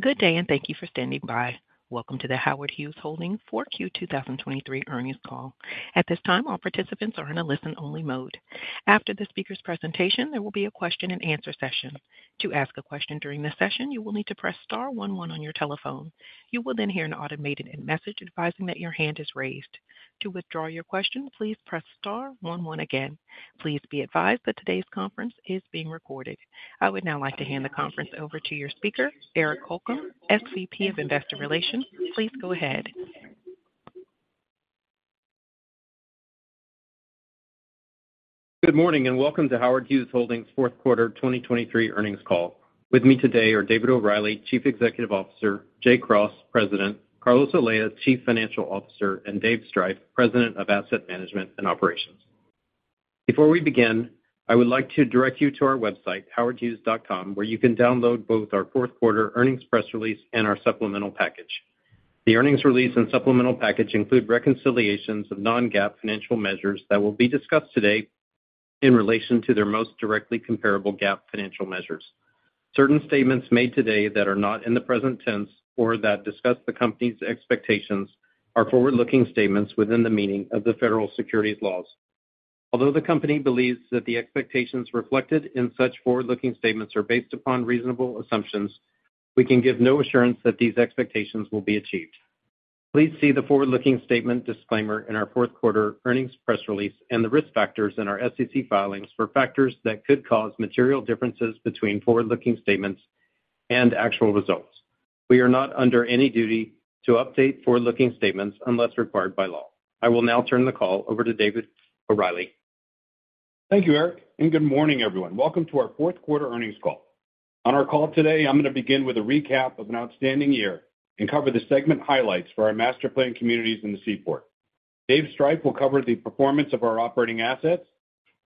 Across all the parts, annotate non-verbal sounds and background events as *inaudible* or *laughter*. Good day and thank you for standing by. Welcome to the Howard Hughes Holdings 4Q 2023 earnings call. At this time, all participants are in a listen-only mode. After the speaker's presentation, there will be a question-and-answer session. To ask a question during the session, you will need to press star one one on your telephone. You will then hear an automated message advising that your hand is raised. To withdraw your question, please press star one one again. Please be advised that today's conference is being recorded. I would now like to hand the conference over to your speaker, Eric Holcomb, SVP of Investor Relations. Please go ahead. Good morning and welcome to Howard Hughes Holdings' fourth quarter 2023 earnings call. With me today are David O'Reilly, Chief Executive Officer; Jay Cross, President; Carlos Olea, Chief Financial Officer; and Dave Striph, President of Asset Management and Operations. Before we begin, I would like to direct you to our website, howardhughes.com, where you can download both our fourth quarter earnings press release and our supplemental package. The earnings release and supplemental package include reconciliations of non-GAAP financial measures that will be discussed today in relation to their most directly comparable GAAP financial measures. Certain statements made today that are not in the present tense or that discuss the company's expectations are forward-looking statements within the meaning of the federal securities laws. Although the company believes that the expectations reflected in such forward-looking statements are based upon reasonable assumptions, we can give no assurance that these expectations will be achieved. Please see the forward-looking statement disclaimer in our fourth quarter earnings press release and the risk factors in our SEC filings for factors that could cause material differences between forward-looking statements and actual results. We are not under any duty to update forward-looking statements unless required by law. I will now turn the call over to David O'Reilly. Thank you, Eric, and good morning, everyone. Welcome to our fourth quarter earnings call. On our call today, I'm going to begin with a recap of an outstanding year and cover the segment highlights for our master planned communities in the Seaport. Dave Striph will cover the performance of our operating assets,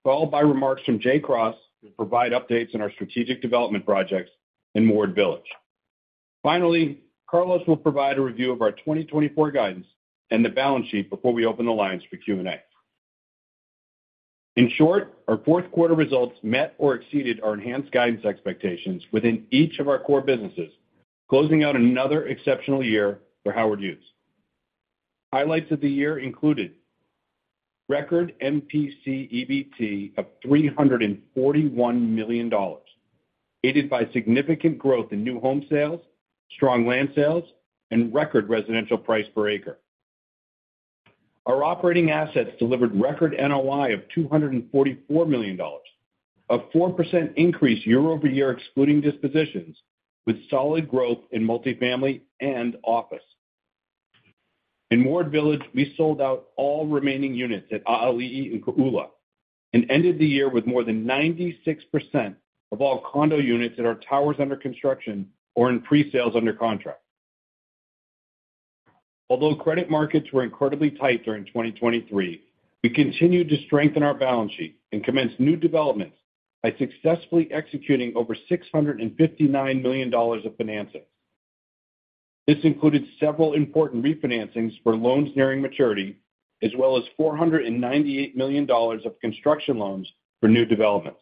followed by remarks from Jay Cross who will provide updates on our strategic development projects in Ward Village. Finally, Carlos will provide a review of our 2024 guidance and the balance sheet before we open the lines for Q&A. In short, our fourth quarter results met or exceeded our enhanced guidance expectations within each of our core businesses, closing out another exceptional year for Howard Hughes. Highlights of the year included record MPC EBT of $341 million, aided by significant growth in new home sales, strong land sales, and record residential price per acre. Our operating assets delivered record NOI of $244 million, a 4% increase year-over-year excluding dispositions, with solid growth in multifamily and office. In Ward Village, we sold out all remaining units at A'ali'i and Kō 'ula and ended the year with more than 96% of all condo units at our towers under construction or in presales under contract. Although credit markets were incredibly tight during 2023, we continued to strengthen our balance sheet and commence new developments by successfully executing over $659 million of financing. This included several important refinancings for loans nearing maturity, as well as $498 million of construction loans for new developments.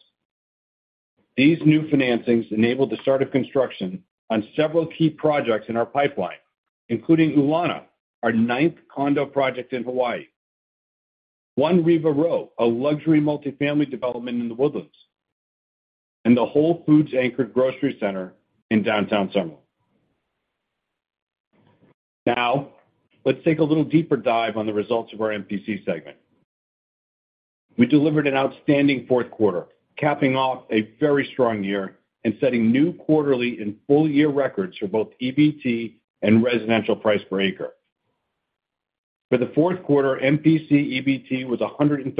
These new financings enabled the start of construction on several key projects in our pipeline, including 'Ulana, our ninth condo project in Hawaii, 1 Riva Row, a luxury multifamily development in The Woodlands, and the Whole Foods-anchored grocery center in downtown Summerlin. Now, let's take a little deeper dive on the results of our MPC segment. We delivered an outstanding fourth quarter, capping off a very strong year and setting new quarterly and full-year records for both EBT and residential price per acre. For the fourth quarter, MPC EBT was $139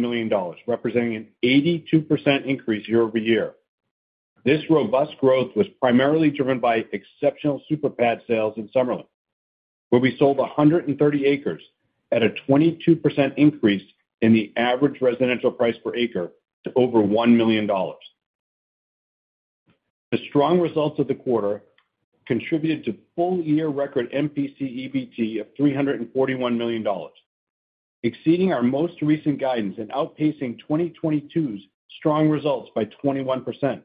million, representing an 82% increase year-over-year. This robust growth was primarily driven by exceptional super pad sales in Summerlin, where we sold 130 acres at a 22% increase in the average residential price per acre to over $1 million. The strong results of the quarter contributed to full-year record MPC EBT of $341 million, exceeding our most recent guidance and outpacing 2022's strong results by 21%.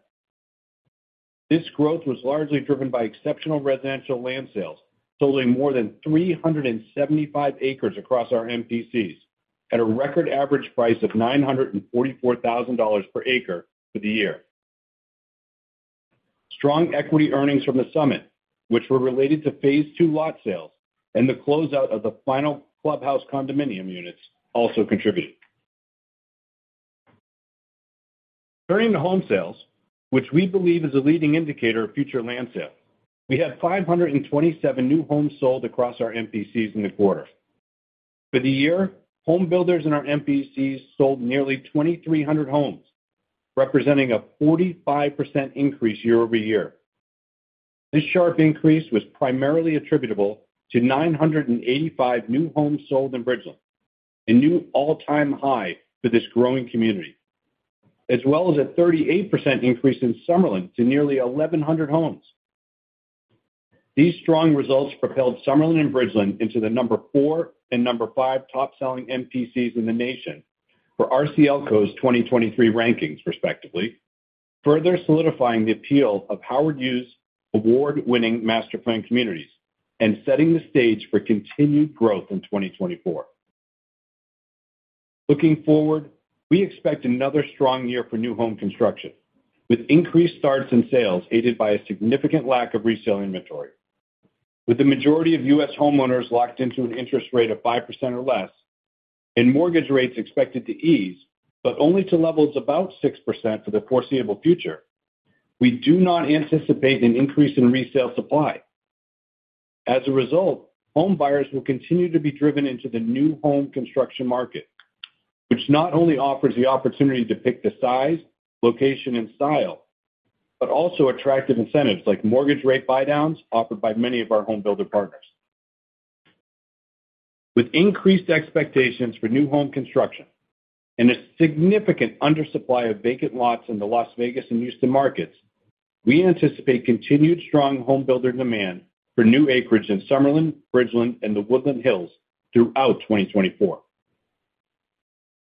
This growth was largely driven by exceptional residential land sales, totaling more than 375 acres across our MPCs at a record average price of $944,000 per acre for the year. Strong equity earnings from The Summit, which were related to phase two lot sales, and the closeout of the final clubhouse condominium units also contributed. Turning to home sales, which we believe is a leading indicator of future land sales, we had 527 new homes sold across our MPCs in the quarter. For the year, home builders in our MPCs sold nearly 2,300 homes, representing a 45% increase year-over-year. This sharp increase was primarily attributable to 985 new homes sold in Bridgeland, a new all-time high for this growing community, as well as a 38% increase in Summerlin to nearly 1,100 homes. These strong results propelled Summerlin and Bridgeland into the number four and number five top-selling MPCs in the nation for RCLCO's 2023 rankings, respectively, further solidifying the appeal of Howard Hughes award-winning master plan communities and setting the stage for continued growth in 2024. Looking forward, we expect another strong year for new home construction, with increased starts and sales aided by a significant lack of resale inventory. With the majority of U.S. homeowners locked into an interest rate of 5% or less and mortgage rates expected to ease but only to levels about 6% for the foreseeable future, we do not anticipate an increase in resale supply. As a result, home buyers will continue to be driven into the new home construction market, which not only offers the opportunity to pick the size, location, and style but also attractive incentives like mortgage rate buy-downs offered by many of our home builder partners. With increased expectations for new home construction and a significant undersupply of vacant lots in the Las Vegas and Houston markets, we anticipate continued strong home builder demand for new acreage in Summerlin, Bridgeland, and The Woodlands Hills throughout 2024.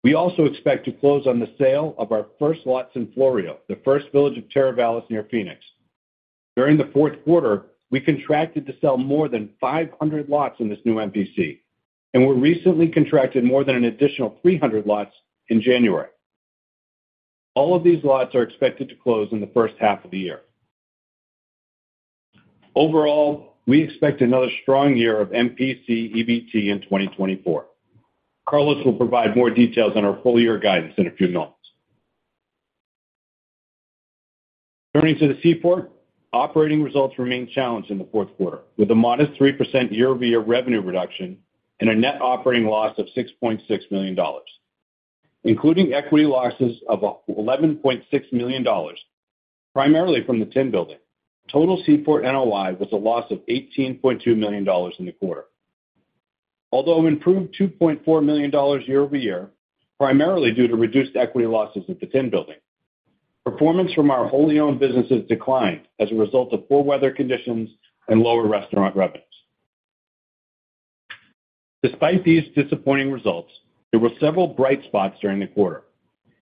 We also expect to close on the sale of our first lots in Floreo, the first village of Teravalis near Phoenix. During the fourth quarter, we contracted to sell more than 500 lots in this new MPC, and we recently contracted more than an additional 300 lots in January. All of these lots are expected to close in the first half of the year. Overall, we expect another strong year of MPC EBT in 2024. Carlos will provide more details on our full-year guidance in a few moments. Turning to the Seaport, operating results remain challenging in the fourth quarter, with a modest 3% year-over-year revenue reduction and a net operating loss of $6.6 million. Including equity losses of $11.6 million, primarily from the Tin Building, total Seaport NOI was a loss of $18.2 million in the quarter, although improved $2.4 million year-over-year, primarily due to reduced equity losses at the Tin Building. Performance from our wholly-owned businesses declined as a result of poor weather conditions and lower restaurant revenues. Despite these disappointing results, there were several bright spots during the quarter,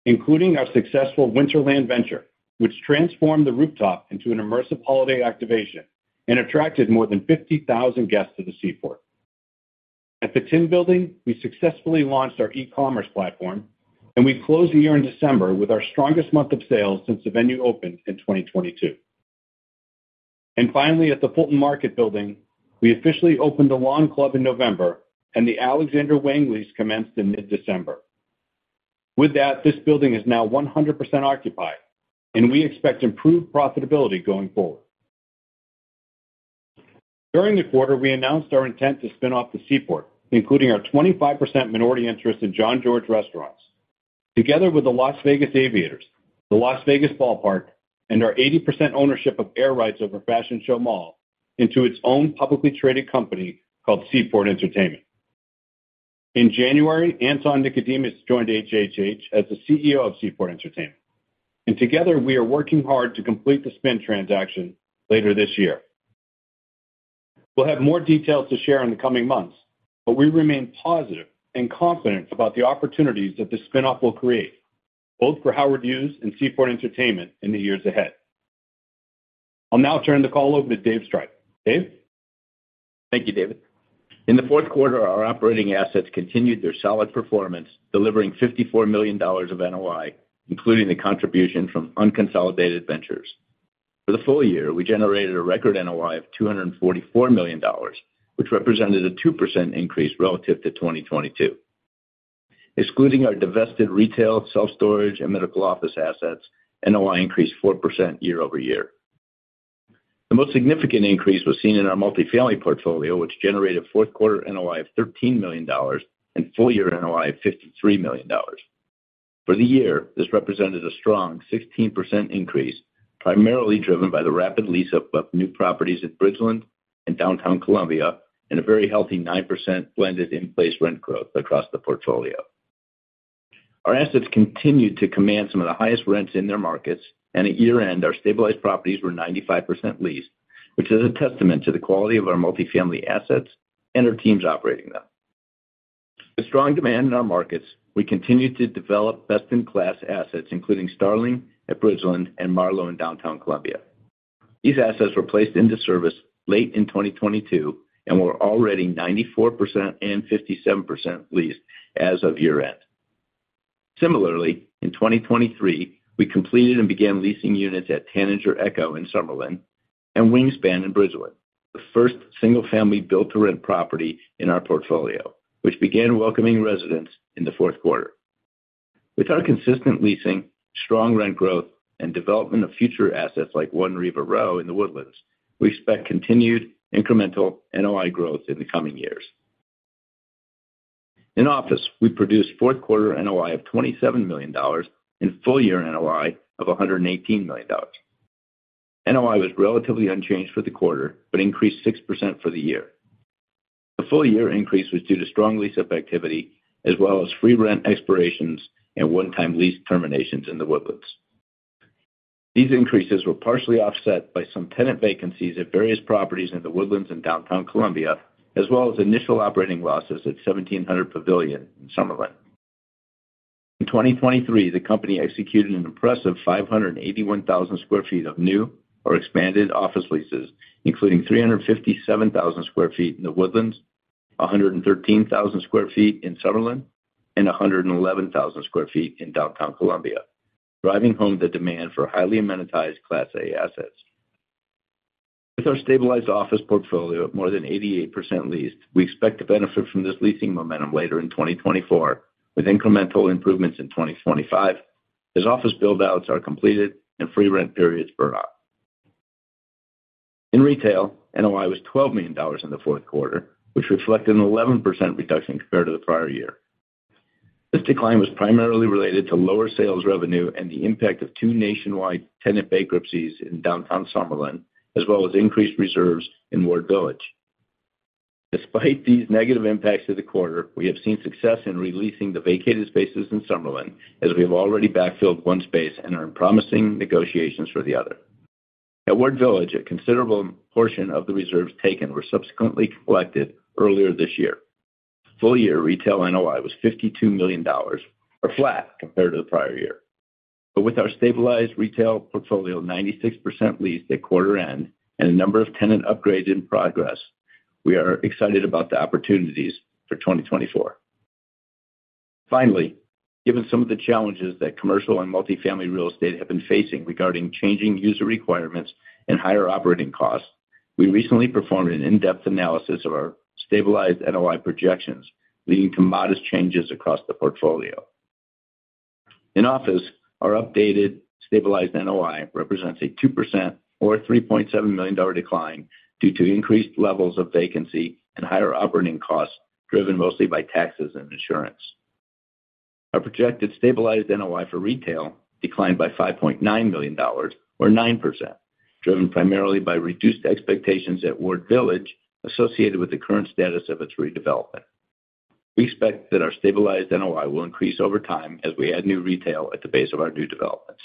including our successful Winterland venture, which transformed the rooftop into an immersive holiday activation and attracted more than 50,000 guests to the Seaport. At the Tin Building, we successfully launched our e-commerce platform, and we closed the year in December with our strongest month of sales since the venue opened in 2022. And finally, at the Fulton Market Building, we officially opened a Lawn Club in November, and the Alexander Wang lease commenced in mid-December. With that, this building is now 100% occupied, and we expect improved profitability going forward. During the quarter, we announced our intent to spin off the Seaport, including our 25% minority interest in Jean-Georges Restaurants, together with the Las Vegas Aviators, the Las Vegas Ballpark, and our 80% ownership of air rights over Fashion Show Mall into its own publicly traded company called Seaport Entertainment. In January, Anton Nikodemus joined HHH as the CEO of Seaport Entertainment, and together we are working hard to complete the spin transaction later this year. We'll have more details to share in the coming months, but we remain positive and confident about the opportunities that this spinoff will create, both for Howard Hughes and Seaport Entertainment in the years ahead. I'll now turn the call over to Dave Striph. Dave? Thank you, David. In the fourth quarter, our operating assets continued their solid performance, delivering $54 million of NOI, including the contribution from unconsolidated ventures. For the full year, we generated a record NOI of $244 million, which represented a 2% increase relative to 2022. Excluding our divested retail, self-storage, and medical office assets, NOI increased 4% year-over-year. The most significant increase was seen in our multifamily portfolio, which generated fourth quarter NOI of $13 million and full-year NOI of $53 million. For the year, this represented a strong 16% increase, primarily driven by the rapid lease-up of new properties at Bridgeland and Downtown Columbia and a very healthy 9% blended in-place rent growth across the portfolio. Our assets continued to command some of the highest rents in their markets, and at year-end, our stabilized properties were 95% leased, which is a testament to the quality of our multifamily assets and our teams operating them. With strong demand in our markets, we continue to develop best-in-class assets, including Starling at Bridgeland and Marlowe in downtown Columbia. These assets were placed into service late in 2022 and were already 94% and 57% leased as of year-end. Similarly, in 2023, we completed and began leasing units at Tanager Echo in Summerlin and Wingspan in Bridgeland, the first single-family built-to-rent property in our portfolio, which began welcoming residents in the fourth quarter. With our consistent leasing, strong rent growth, and development of future assets like One Riva Row in The Woodlands, we expect continued incremental NOI growth in the coming years. In office, we produced fourth quarter NOI of $27 million and full-year NOI of $118 million. NOI was relatively unchanged for the quarter but increased 6% for the year. The full-year increase was due to strong lease-up activity as well as free rent expirations and one-time lease terminations in The Woodlands. These increases were partially offset by some tenant vacancies at various properties in The Woodlands and Downtown Columbia, as well as initial operating losses at 1700 Pavilion in Summerlin. In 2023, the company executed an impressive 581,000 sq ft of new or expanded office leases, including 357,000 sq ft in The Woodlands, 113,000 sq ft in Summerlin, and 111,000 sq ft in Downtown Columbia, driving home the demand for highly amenitized Class A assets. With our stabilized office portfolio at more than 88% leased, we expect to benefit from this leasing momentum later in 2024 with incremental improvements in 2025 as office build-outs are completed and free rent periods burn off. In retail, NOI was $12 million in the fourth quarter, which reflected an 11% reduction compared to the prior year. This decline was primarily related to lower sales revenue and the impact of two nationwide tenant bankruptcies in downtown Summerlin, as well as increased reserves in Ward Village. Despite these negative impacts to the quarter, we have seen success in releasing the vacated spaces in Summerlin as we have already backfilled one space and are in promising negotiations for the other. At Ward Village, a considerable portion of the reserves taken were subsequently collected earlier this year. Full-year retail NOI was $52 million, or flat compared to the prior year. With our stabilized retail portfolio 96% leased at quarter-end and a number of tenant upgrades in progress, we are excited about the opportunities for 2024. Finally, given some of the challenges that commercial and multifamily real estate have been facing regarding changing user requirements and higher operating costs, we recently performed an in-depth analysis of our stabilized NOI projections, leading to modest changes across the portfolio. In office, our updated stabilized NOI represents a 2% or $3.7 million decline due to increased levels of vacancy and higher operating costs driven mostly by taxes and insurance. Our projected stabilized NOI for retail declined by $5.9 million, or 9%, driven primarily by reduced expectations at Ward Village associated with the current status of its redevelopment. We expect that our stabilized NOI will increase over time as we add new retail at the base of our new developments.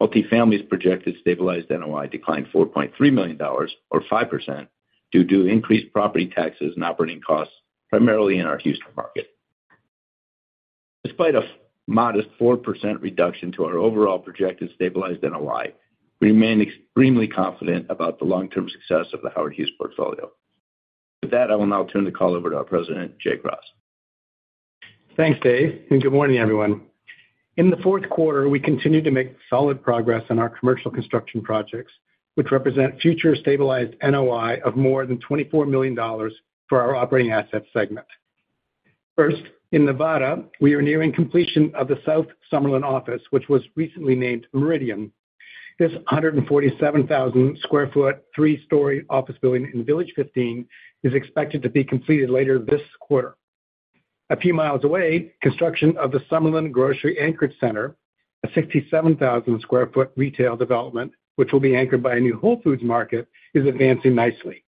And finally, multifamily's projected stabilized NOI declined $4.3 million, or 5%, due to increased property taxes and operating costs, primarily in our Houston market. Despite a modest 4% reduction to our overall projected stabilized NOI, we remain extremely confident about the long-term success of the Howard Hughes portfolio. With that, I will now turn the call over to our President, Jay Cross. Thanks, Dave. Good morning, everyone. In the fourth quarter, we continue to make solid progress on our commercial construction projects, which represent future stabilized NOI of more than $24 million for our operating assets segment. First, in Nevada, we are nearing completion of the South Summerlin office, which was recently named Meridian. This 147,000-sq ft, three-story office building in Village 15 is expected to be completed later this quarter. A few miles away, construction of the Summerlin Grocery Anchored Center, a 67,000-sq ft retail development which will be anchored by a new Whole Foods Market, is advancing nicely.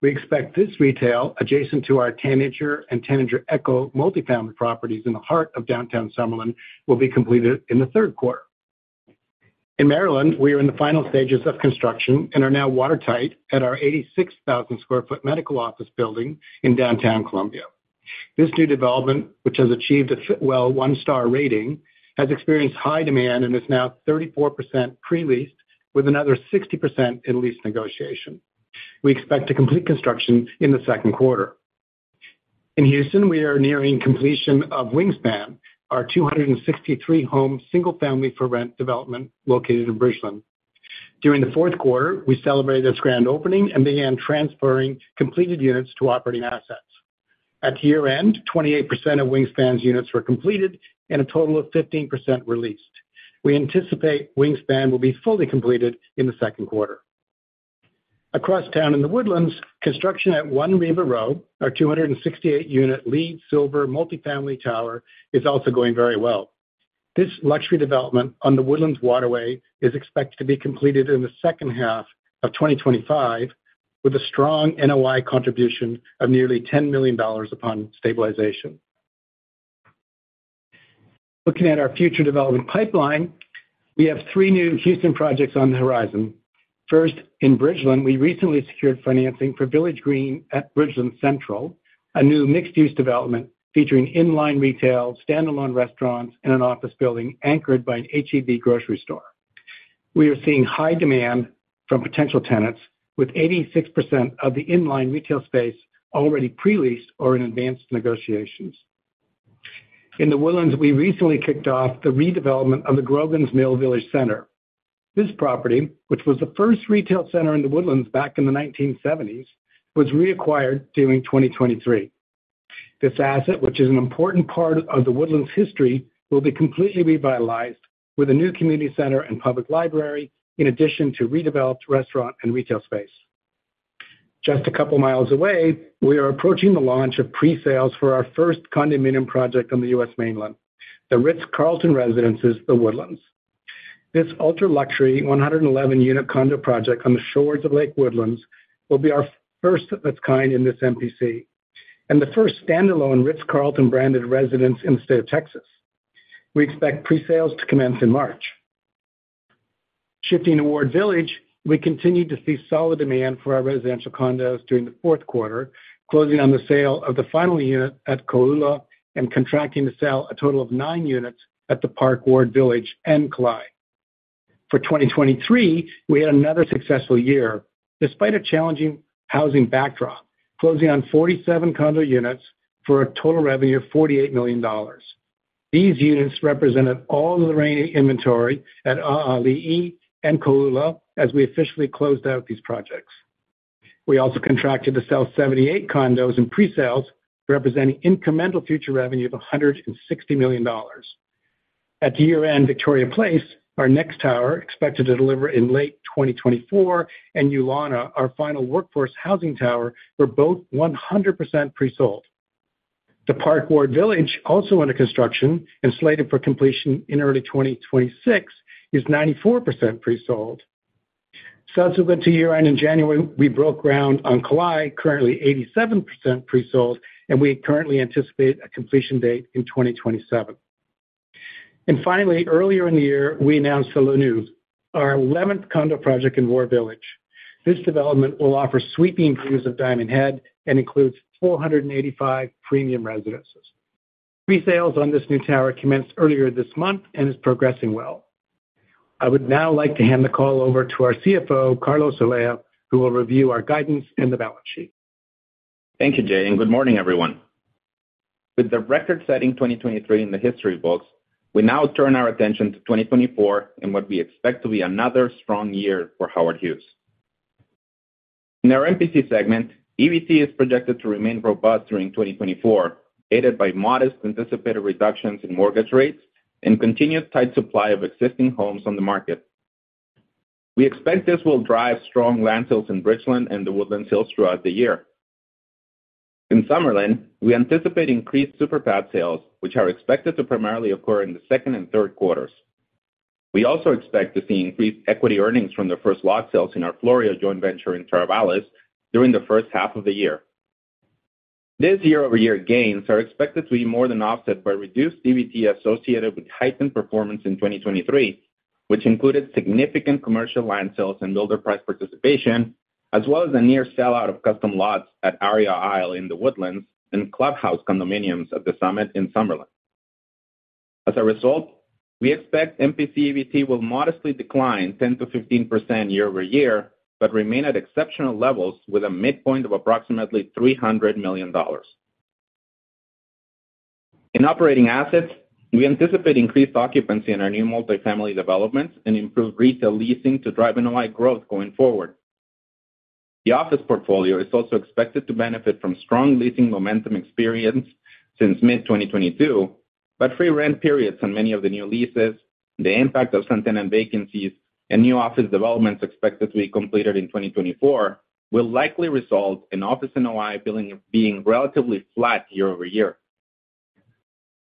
We expect this retail adjacent to our Tanager and Tanager Echo multifamily properties in the heart of downtown Summerlin will be completed in the third quarter. In Maryland, we are in the final stages of construction and are now watertight at our 86,000-sq ft medical office building in downtown Columbia. This new development, which has achieved a Fitwel one-star rating, has experienced high demand and is now 34% pre-leased with another 60% in lease negotiation. We expect to complete construction in the second quarter. In Houston, we are nearing completion of Wingspan, our 263-home single-family for rent development located in Bridgeland. During the fourth quarter, we celebrated its grand opening and began transferring completed units to operating assets. At year-end, 28% of Wingspan's units were completed and a total of 15% released. We anticipate Wingspan will be fully completed in the second quarter. Across town in The Woodlands, construction at One Riva Row, our 268-unit LEED Silver multifamily tower, is also going very well. This luxury development on the Woodlands Waterway is expected to be completed in the second half of 2025 with a strong NOI contribution of nearly $10 million upon stabilization. Looking at our future development pipeline, we have three new Houston projects on the horizon. First, in Bridgeland, we recently secured financing for Village Green at Bridgeland Central, a new mixed-use development featuring inline retail, standalone restaurants, and an office building anchored by an H-E-B grocery store. We are seeing high demand from potential tenants, with 86% of the inline retail space already pre-leased or in advanced negotiations. In The Woodlands, we recently kicked off the redevelopment of the Grogan's Mill Village Center. This property, which was the first retail center in The Woodlands back in the 1970s, was reacquired during 2023. This asset, which is an important part of The Woodlands' history, will be completely revitalized with a new community center and public library in addition to redeveloped restaurant and retail space. Just a couple miles away, we are approaching the launch of presales for our first condominium project on the U.S. mainland, The Ritz-Carlton Residences, The Woodlands. This ultra-luxury 111-unit condo project on the shores of Lake Woodlands will be our first of its kind in this MPC and the first standalone Ritz-Carlton-branded residence in the state of Texas. We expect presales to commence in March. Shifting to Ward Village, we continue to see solid demand for our residential condos during the fourth quarter, closing on the sale of the final unit at Kō'ula and contracting to sell a total of nine units at The Park Ward Village and Kalae. For 2023, we had another successful year despite a challenging housing backdrop, closing on 47 condo units for a total revenue of $48 million. These units represented all of the remaining inventory at A'ali'i and Kō'ula as we officially closed out these projects. We also contracted to sell 78 condos in presales, representing incremental future revenue of $160 million. At year-end, Victoria Place, our next tower, expected to deliver in late 2024, and 'Ulana, our final workforce housing tower, were both 100% presold. The Park Ward Village, also under construction and slated for completion in early 2026, is 94% presold. Subsequent to year-end in January, we broke ground on Kalae, currently 87% presold, and we currently anticipate a completion date in 2027. And finally, earlier in the year, we announced the La'i Nui, our 11th condo project in Ward Village. This development will offer sweeping views of Diamond Head and includes 485 premium residences. Presales on this new tower commenced earlier this month and is progressing well. I would now like to hand the call over to our CFO, Carlos Olea, who will review our guidance and the balance sheet. Thank you, Jay. Good morning, everyone. With the record-setting 2023 in the history books, we now turn our attention to 2024 and what we expect to be another strong year for Howard Hughes. In our MPC segment, EBT is projected to remain robust during 2024, aided by modest anticipated reductions in mortgage rates and continued tight supply of existing homes on the market. We expect this will drive strong land sales in Bridgeland and The Woodlands sales throughout the year. In Summerlin, we anticipate increased Super Pad sales, which are expected to primarily occur in the second and third quarters. We also expect to see increased equity earnings from the first lot sales in our Florida joint venture in Teravalis during the first half of the year. These year-over-year gains are expected to be more than offset by reduced EBT associated with heightened performance in 2023, which included significant commercial land sales and builder price participation, as well as a near sellout of custom lots at Aria Isle in The Woodlands and Clubhouse condominiums at The Summit in Summerlin. As a result, we expect MPC EBT will modestly decline 10%-15% year-over-year but remain at exceptional levels with a midpoint of approximately $300 million. In operating assets, we anticipate increased occupancy in our new multifamily developments and improved retail leasing to drive NOI growth going forward. The office portfolio is also expected to benefit from strong leasing momentum experienced since mid-2022, but free rent periods on many of the new leases, the impact of some tenant vacancies, and new office developments expected to be completed in 2024 will likely result in office NOI being relatively flat year over year.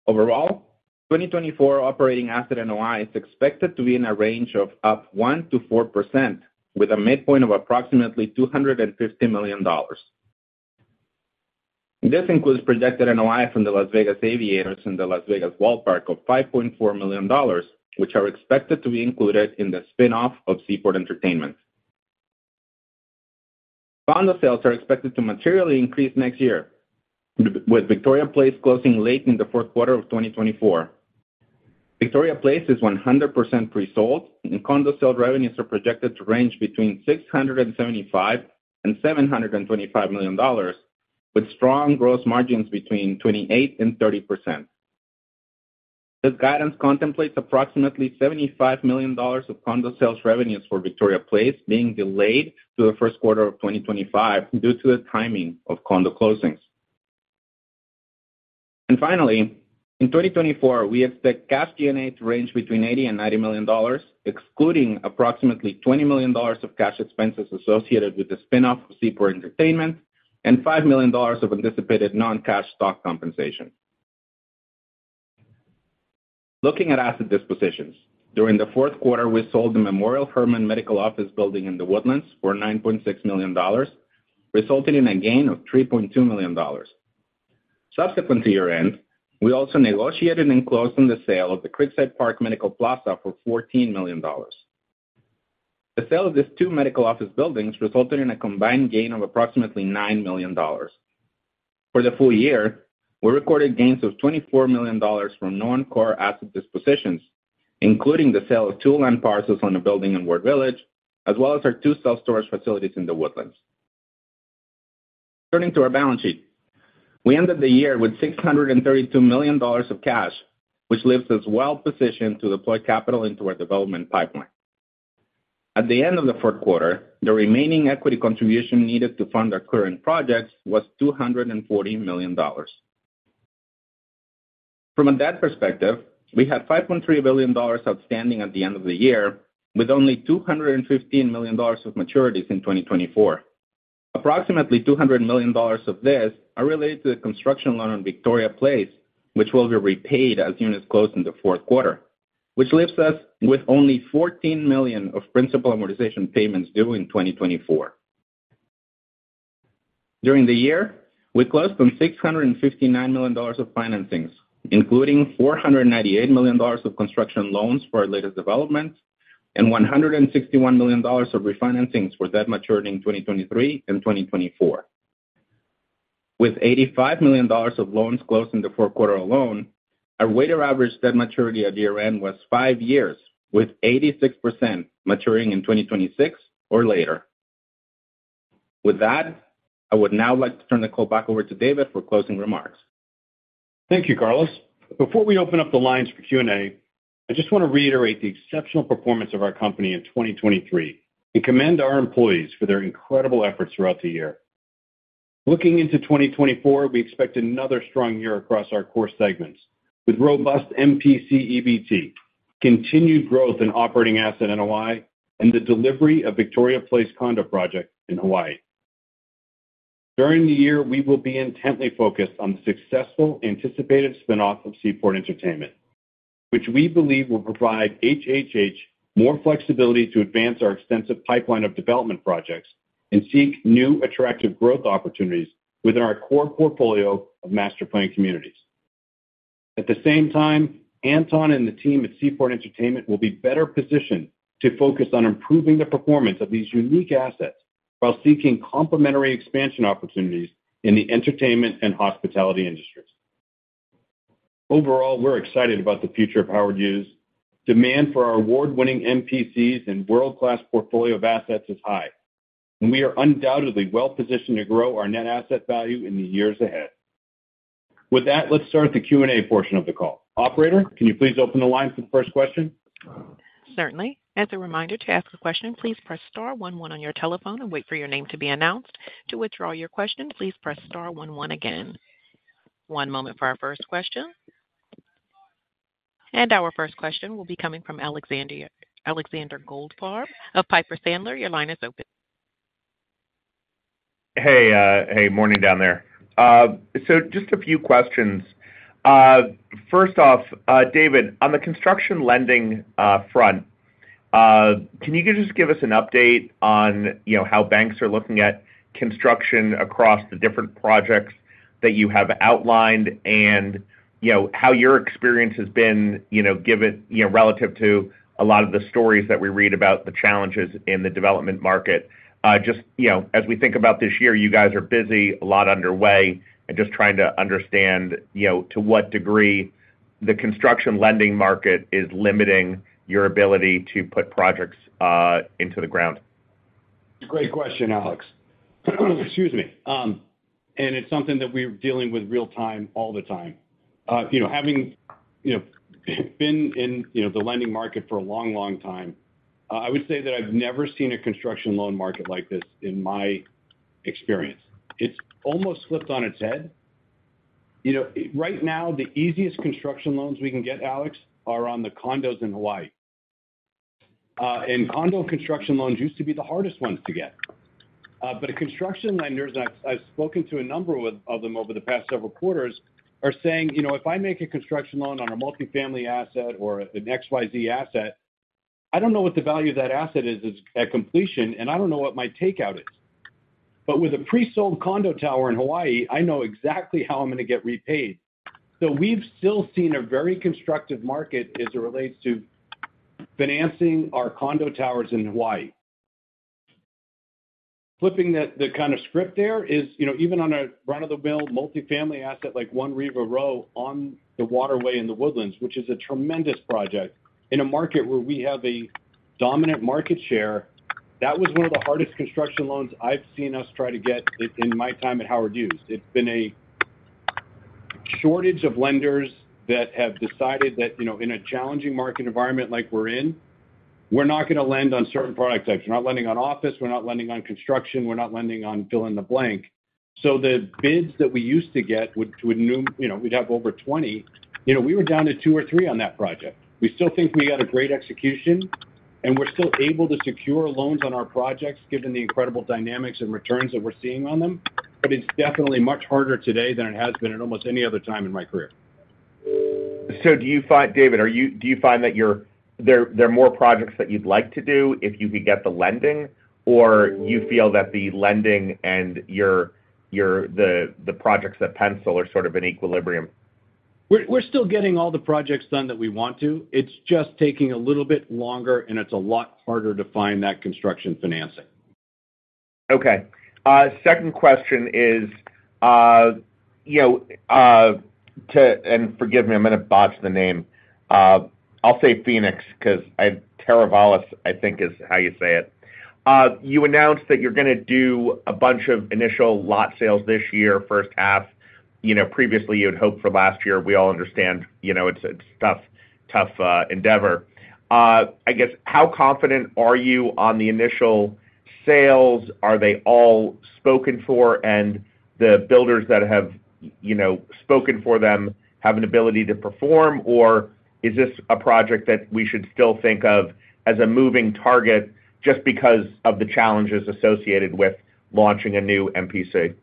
Overall, 2024 operating asset NOI is expected to be in a range of up 1%-4%, with a midpoint of approximately $250 million. This includes projected NOI from the Las Vegas Aviators and the Las Vegas Ballpark of $5.4 million, which are expected to be included in the spin-off of Seaport Entertainment. Condo sales are expected to materially increase next year, with Victoria Place closing late in the fourth quarter of 2024. Victoria Place is 100% presold, and condo sale revenues are projected to range between $675 million-$725 million, with strong gross margins between 28%-30%. This guidance contemplates approximately $75 million of condo sales revenues for Victoria Place being delayed to the first quarter of 2025 due to the timing of condo closings. And finally, in 2024, we expect cash G&A to range between $80 million-$90 million, excluding approximately $20 million of cash expenses associated with the spinoff of Seaport Entertainment and $5 million of anticipated non-cash stock compensation. Looking at asset dispositions, during the fourth quarter, we sold the Memorial Hermann Medical Office Building in The Woodlands for $9.6 million, resulting in a gain of $3.2 million. Subsequent to year-end, we also negotiated and closed on the sale of the Creekside Park Medical Plaza for $14 million. The sale of these two medical office buildings resulted in a combined gain of approximately $9 million. For the full year, we recorded gains of $24 million from non-core asset dispositions, including the sale of two land parcels on the building in Ward Village, as well as our two self-storage facilities in The Woodlands. Turning to our balance sheet, we ended the year with $632 million of cash, which leaves us well positioned to deploy capital into our development pipeline. At the end of the fourth quarter, the remaining equity contribution needed to fund our current projects was $240 million. From a debt perspective, we had $5.3 billion outstanding at the end of the year, with only $215 million of maturities in 2024. Approximately $200 million of this are related to the construction loan on Victoria Place, which will be repaid as units close in the fourth quarter, which leaves us with only $14 million of principal amortization payments due in 2024. During the year, we closed on $659 million of financings, including $498 million of construction loans for our latest developments and $161 million of refinancings for debt maturity in 2023 and 2024. With $85 million of loans closed in the fourth quarter alone, our weighted average debt maturity at year-end was five years, with 86% maturing in 2026 or later. With that, I would now like to turn the call back over to David for closing remarks. Thank you, Carlos. Before we open up the lines for Q&A, I just want to reiterate the exceptional performance of our company in 2023 and commend our employees for their incredible efforts throughout the year. Looking into 2024, we expect another strong year across our core segments, with robust MPC EBT, continued growth in operating asset NOI, and the delivery of Victoria Place condo project in Hawaii. During the year, we will be intently focused on the successful anticipated spinoff of Seaport Entertainment, which we believe will provide HHH more flexibility to advance our extensive pipeline of development projects and seek new attractive growth opportunities within our core portfolio of master plan communities. At the same time, Anton and the team at Seaport Entertainment will be better positioned to focus on improving the performance of these unique assets while seeking complementary expansion opportunities in the entertainment and hospitality industries. Overall, we're excited about the future of Howard Hughes. Demand for our award-winning MPCs and world-class portfolio of assets is high, and we are undoubtedly well positioned to grow our net asset value in the years ahead. With that, let's start the Q&A portion of the call. Operator, can you please open the line for the first question? Certainly. As a reminder, to ask a question, please press star one one on your telephone and wait for your name to be announced. To withdraw your question, please press star one one again. One moment for our first question. Our first question will be coming from Alexander Goldfarb of Piper Sandler. Your line is open. Hey. Hey. Morning down there. So just a few questions. First off, David, on the construction lending front, can you just give us an update on how banks are looking at construction across the different projects that you have outlined and how your experience has been relative to a lot of the stories that we read about the challenges in the development market? Just as we think about this year, you guys are busy, a lot underway, and just trying to understand to what degree the construction lending market is limiting your ability to put projects into the ground. It's a great question, Alex. Excuse me. It's something that we're dealing with real-time all the time. Having been in the lending market for a long, long time, I would say that I've never seen a construction loan market like this in my experience. It's almost flipped on its head. Right now, the easiest construction loans we can get, Alex, are on the condos in Hawaii. Condo construction loans used to be the hardest ones to get. But construction lenders, and I've spoken to a number of them over the past several quarters, are saying, "If I make a construction loan on a multifamily asset or an XYZ asset, I don't know what the value of that asset is at completion, and I don't know what my takeout is. But with a presold condo tower in Hawaii, I know exactly how I'm going to get repaid." So we've still seen a very constructive market as it relates to financing our condo towers in Hawaii. Flipping the kind of script there is even on a run-of-the-mill multifamily asset like One Riva Row on the waterway in The Woodlands, which is a tremendous project in a market where we have a dominant market share, that was one of the hardest construction loans I've seen us try to get in my time at Howard Hughes. It's been a shortage of lenders that have decided that in a challenging market environment like we're in, we're not going to lend on certain product types. We're not lending on office. We're not lending on construction. We're not lending on fill in the blank. So the bids that we used to get, we'd have over 20, we were down to two or three on that project. We still think we got a great execution, and we're still able to secure loans on our projects given the incredible dynamics and returns that we're seeing on them. But it's definitely much harder today than it has been at almost any other time in my career. Do you find David, do you find that there are more projects that you'd like to do if you could get the lending, or you feel that the lending and the projects at PennSil are sort of in equilibrium? We're still getting all the projects done that we want to. It's just taking a little bit longer, and it's a lot harder to find that construction financing. Okay. Second question is to and forgive me. I'm going to botch the name. I'll say Phoenix because Teravalis, I think, is how you say it. You announced that you're going to do a bunch of initial lot sales this year, first half. Previously, you had hoped for last year. We all understand it's a tough endeavor. I guess, how confident are you on the initial sales? Are they all spoken for, and the builders that have spoken for them have an ability to perform, or is this a project that we should still think of as a moving target just because of the challenges associated with launching a new MPC?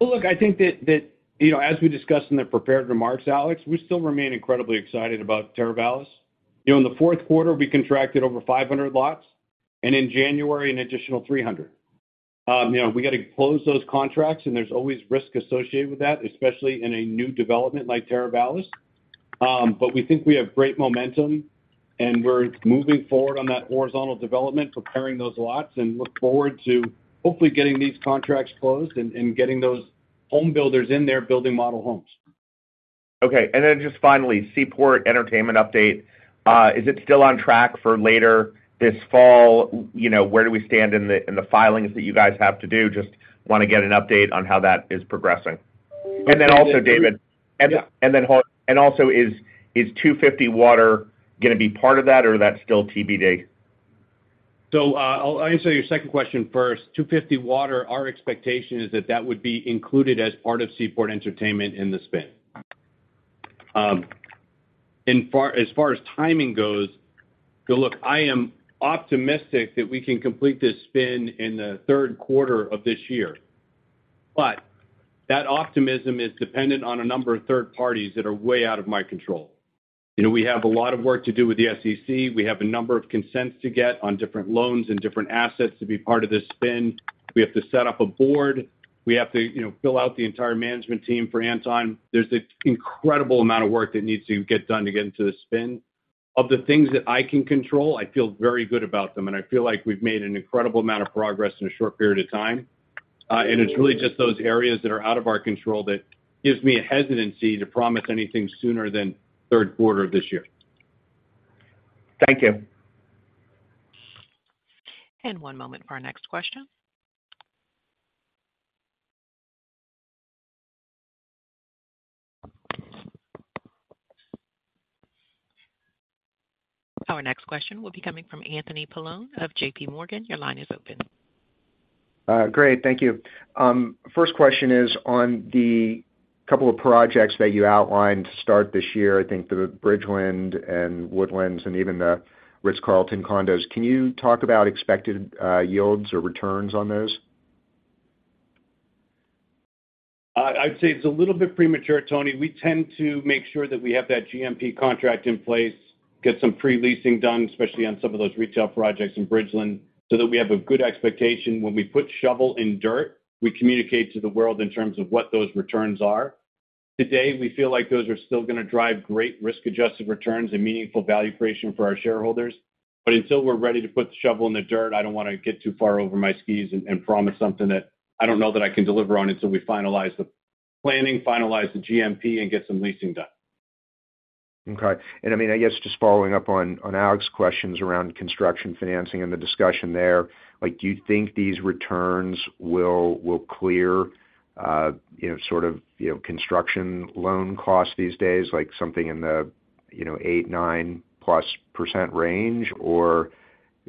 Well, look, I think that as we discussed in the prepared remarks, Alex, we still remain incredibly excited about Teravalis. In the fourth quarter, we contracted over 500 lots, and in January, an additional 300. We got to close those contracts, and there's always risk associated with that, especially in a new development like Teravalis. But we think we have great momentum, and we're moving forward on that horizontal development, preparing those lots, and look forward to hopefully getting these contracts closed and getting those home builders in there building model homes. Okay. And then just finally, Seaport Entertainment update. Is it still on track for later this fall? Where do we stand in the filings that you guys have to do? Just want to get an update on how that is progressing. And then also, David, is 250 Water going to be part of that, or is that still TBD? So I'll answer your second question first. 250 Water, our expectation is that that would be included as part of Seaport Entertainment in the spin. As far as timing goes, so look, I am optimistic that we can complete this spin in the third quarter of this year. But that optimism is dependent on a number of third parties that are way out of my control. We have a lot of work to do with the SEC. We have a number of consents to get on different loans and different assets to be part of this spin. We have to set up a board. We have to fill out the entire management team for Anton. There's an incredible amount of work that needs to get done to get into the spin. Of the things that I can control, I feel very good about them, and I feel like we've made an incredible amount of progress in a short period of time. It's really just those areas that are out of our control that gives me a hesitancy to promise anything sooner than third quarter of this year. Thank you. One moment for our next question. Our next question will be coming from Anthony Paolone of JP Morgan. Your line is open. Great. Thank you. First question is on the couple of projects that you outlined to start this year. I think the Bridgeland and Woodlands and even the Ritz-Carlton condos. Can you talk about expected yields or returns on those? I'd say it's a little bit premature, Tony. We tend to make sure that we have that GMP contract in place, get some pre-leasing done, especially on some of those retail projects in Bridgeland, so that we have a good expectation. When we put shovel in dirt, we communicate to the world in terms of what those returns are. Today, we feel like those are still going to drive great risk-adjusted returns and meaningful value creation for our shareholders. But until we're ready to put the shovel in the dirt, I don't want to get too far over my skis and promise something that I don't know that I can deliver on until we finalize the planning, finalize the GMP, and get some leasing done. Okay. And I mean, I guess just following up on Alex's questions around construction financing and the discussion there, do you think these returns will clear sort of construction loan costs these days like something in the 8%-9%+ range, or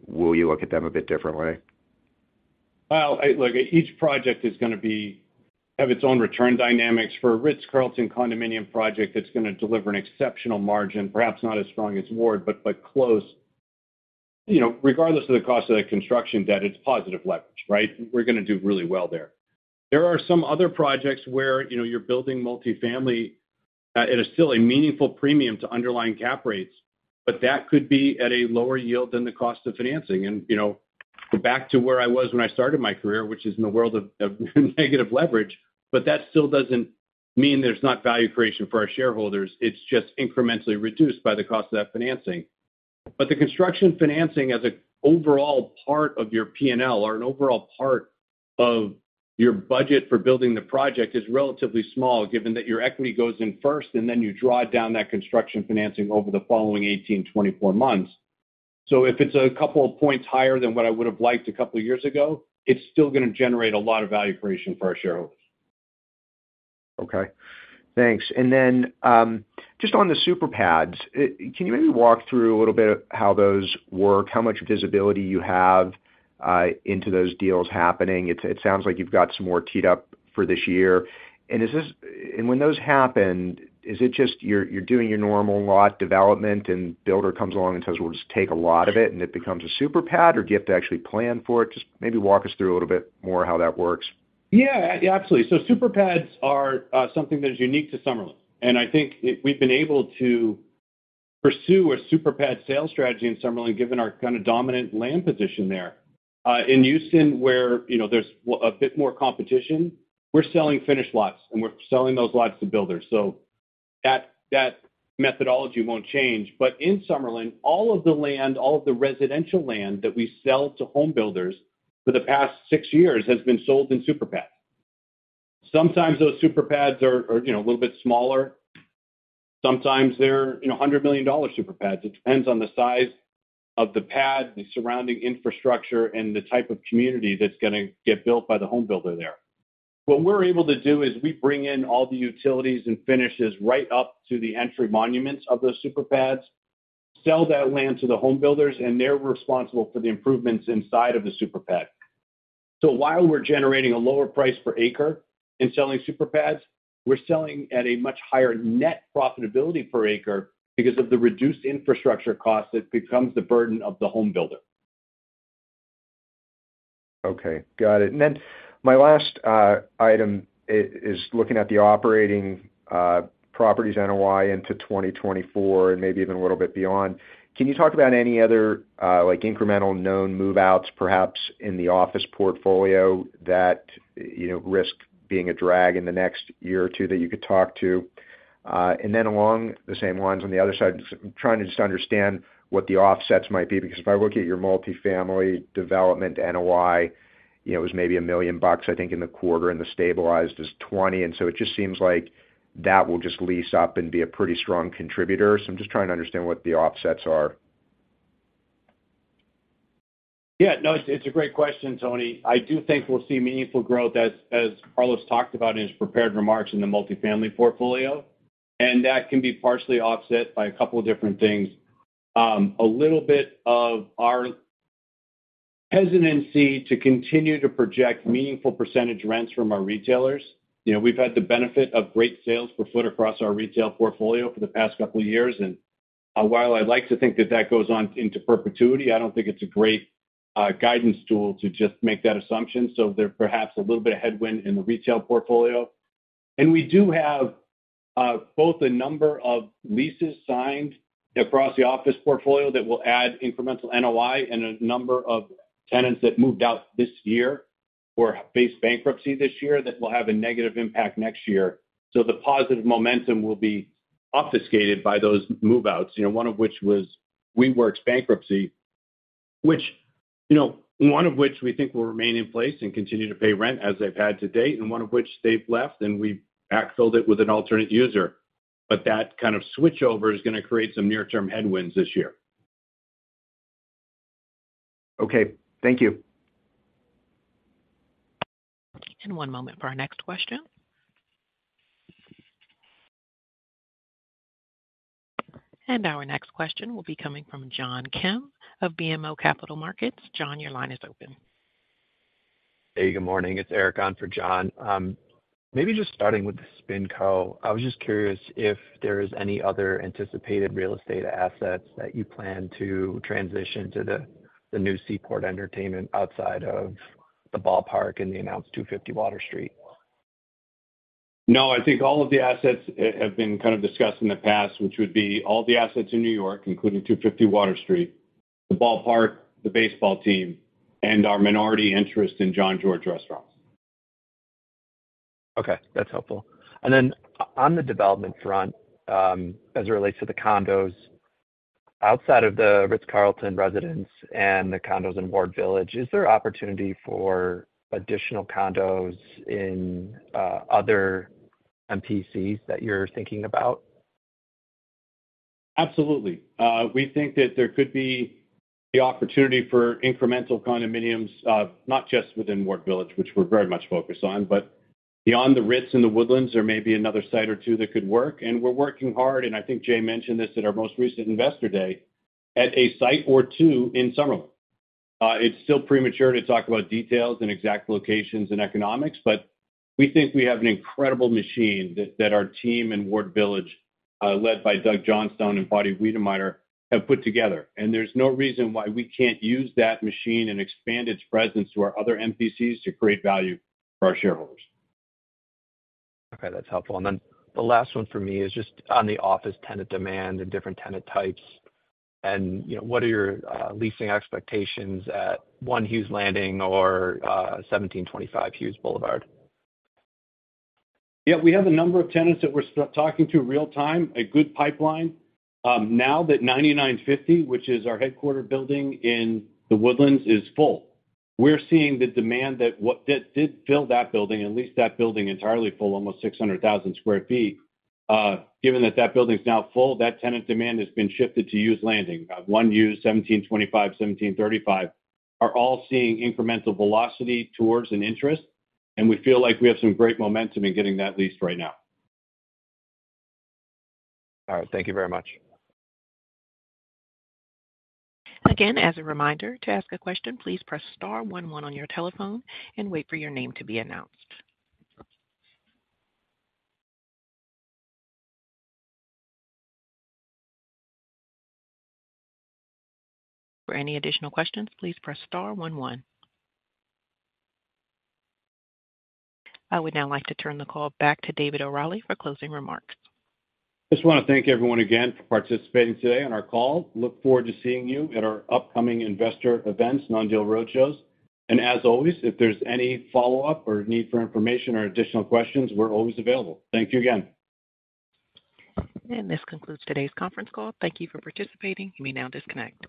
will you look at them a bit differently? Well, look, each project is going to have its own return dynamics. For a Ritz-Carlton condominium project, it's going to deliver an exceptional margin, perhaps not as strong as Ward, but close. Regardless of the cost of that construction debt, it's positive leverage, right? We're going to do really well there. There are some other projects where you're building multifamily at still a meaningful premium to underlying cap rates, but that could be at a lower yield than the cost of financing. And go back to where I was when I started my career, which is in the world of negative leverage, but that still doesn't mean there's not value creation for our shareholders. It's just incrementally reduced by the cost of that financing. But the construction financing as an overall part of your P&L or an overall part of your budget for building the project is relatively small given that your equity goes in first, and then you draw down that construction financing over the following 18-24 months. So if it's a couple of points higher than what I would have liked a couple of years ago, it's still going to generate a lot of value creation for our shareholders. Okay. Thanks. And then just on the Super Pads, can you maybe walk through a little bit of how those work, how much visibility you have into those deals happening? It sounds like you've got some more teed up for this year. And when those happen, is it just you're doing your normal lot development, and the builder comes along and says, "We'll just take a lot of it," and it becomes a Super Pad, or do you have to actually plan for it? Just maybe walk us through a little bit more how that works. Yeah. Yeah. Absolutely. So Super Pads are something that is unique to Summerlin. And I think we've been able to pursue a Super Pad sales strategy in Summerlin given our kind of dominant land position there. In Houston, where there's a bit more competition, we're selling finished lots, and we're selling those lots to builders. So that methodology won't change. But in Summerlin, all of the land, all of the residential land that we sell to home builders for the past six years has been sold in Super Pads. Sometimes those Super Pads are a little bit smaller. Sometimes they're $100 million Super Pads. It depends on the size of the pad, the surrounding infrastructure, and the type of community that's going to get built by the home builder there. What we're able to do is we bring in all the utilities and finishes right up to the entry monuments of those super pads, sell that land to the home builders, and they're responsible for the improvements inside of the super pad. While we're generating a lower price per acre in selling super pads, we're selling at a much higher net profitability per acre because of the reduced infrastructure cost that becomes the burden of the home builder. Okay. Got it. And then my last item is looking at the operating properties in Hawaii into 2024 and maybe even a little bit beyond. Can you talk about any other incremental known move-outs, perhaps in the office portfolio, that risk being a drag in the next year or two that you could talk to? And then along the same lines, on the other side, I'm trying to just understand what the offsets might be because if I look at your multifamily development in Hawaii, it was maybe $1 million, I think, in the quarter, and the stabilized is $20 million. And so it just seems like that will just lease up and be a pretty strong contributor. So I'm just trying to understand what the offsets are. Yeah. No, it's a great question, Tony. I do think we'll see meaningful growth, as Carlos talked about in his prepared remarks, in the multifamily portfolio. And that can be partially offset by a couple of different things. A little bit of our hesitancy to continue to project meaningful percentage rents from our retailers. We've had the benefit of great sales per foot across our retail portfolio for the past couple of years. And while I'd like to think that that goes on into perpetuity, I don't think it's a great guidance tool to just make that assumption. So there's perhaps a little bit of headwind in the retail portfolio. We do have both a number of leases signed across the office portfolio that will add incremental NOI and a number of tenants that moved out this year or faced bankruptcy this year that will have a negative impact next year. So the positive momentum will be obfuscated by those move-outs, one of which was WeWork's bankruptcy, one of which we think will remain in place and continue to pay rent as they've had to date, and one of which they've left and we backfilled it with an alternate user. But that kind of switchover is going to create some near-term headwinds this year. Okay. Thank you. One moment for our next question. Our next question will be coming from John Kim of BMO Capital Markets. John, your line is open. Hey. Good morning. It's Eric *audio distortion* for John. Maybe just starting with the spin-co., I was just curious if there is any other anticipated real estate assets that you plan to transition to the new Seaport Entertainment outside of the ballpark and the announced 250 Water Street? No. I think all of the assets have been kind of discussed in the past, which would be all the assets in New York, including 250 Water Street, the ballpark, the baseball team, and our minority interest in Jean-Georges restaurants. Okay. That's helpful. And then on the development front, as it relates to the condos outside of the Ritz-Carlton residence and the condos in Ward Village, is there opportunity for additional condos in other MPCs that you're thinking about? Absolutely. We think that there could be the opportunity for incremental condominiums, not just within Ward Village, which we're very much focused on, but beyond the Ritz and The Woodlands, there may be another site or two that could work. We're working hard, and I think Jay mentioned this at our most recent investor day, at a site or two in Summerlin. It's still premature to talk about details and exact locations and economics, but we think we have an incredible machine that our team in Ward Village, led by Doug Johnstone and Patty Wiedemeyer, have put together. There's no reason why we can't use that machine and expand its presence to our other MPCs to create value for our shareholders. Okay. That's helpful. And then the last one for me is just on the office tenant demand and different tenant types. And what are your leasing expectations at One Hughes Landing or 1725 Hughes Boulevard? Yeah. We have a number of tenants that we're talking to real-time, a good pipeline. Now that 9950, which is our headquarters building in The Woodlands, is full, we're seeing the demand that did fill that building, at least that building entirely full, almost 600,000 sq ft. Given that that building's now full, that tenant demand has been shifted to Hughes Landing. 1 Hughes, 1725, 1735, are all seeing incremental velocity towards an interest. And we feel like we have some great momentum in getting that leased right now. All right. Thank you very much. Again, as a reminder, to ask a question, please press star one one on your telephone and wait for your name to be announced. For any additional questions, please press star one one. I would now like to turn the call back to David O'Reilly for closing remarks. Just want to thank everyone again for participating today on our call. Look forward to seeing you at our upcoming investor events, Non-Deal Roadshows. As always, if there's any follow-up or need for information or additional questions, we're always available. Thank you again. This concludes today's conference call. Thank you for participating. You may now disconnect.